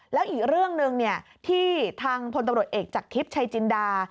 แล้วอีกเรื่องหนึ่งที่ทางพลตำรวจเอกจากทิพย์ชัยจินดา